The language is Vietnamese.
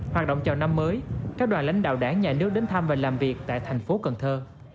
hoạt động chào năm mới các đoàn lãnh đạo đảng nhà nước đến thăm và làm việc tại thành phố cần thơ